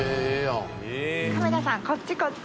カメラさんこっちこっち。